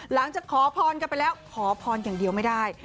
หลังจากขอพรกันไปแล้วขอพรอย่างเดียวไม่ได้